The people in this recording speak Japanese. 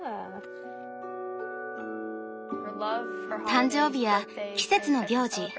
Ｙｅａｈ．誕生日や季節の行事